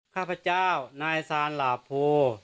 ข้าพเจ้านายซานหลาโพ